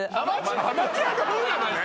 アマチュアのほうなのね